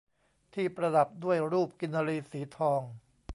ที่ประดับด้วยรูปกินรีสีทอง